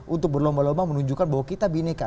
untuk berlomba lomba menunjukkan bahwa kita bineka